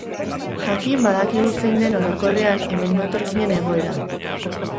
Jakin badakigu zein den, orokorrean, hemego etorkinen egoera.